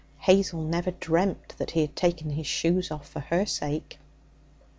Hazel never dreamt that he had taken his shoes off for her sake.